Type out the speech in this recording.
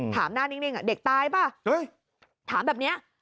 ถามหน้านิ่งเด็กตายป่ะถามแบบนี้